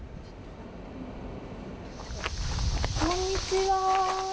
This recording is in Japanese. こんにちは。